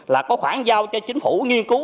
là có khoảng giao cho chính phủ nghiên cứu